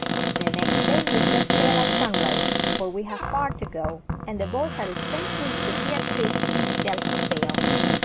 The next day we set sail at sun rise; for we had far to go, and the boys had a strange wish to hear Fritz tell his tale.